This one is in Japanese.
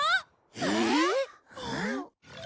えっ？